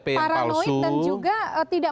paranoid dan juga tidak